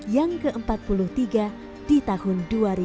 yang ke empat puluh tiga di tahun dua ribu dua puluh